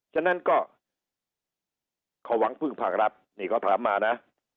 ฉะนั้นก็เขาหวังพึ่งภาครัฐนี่เขาถามมานะ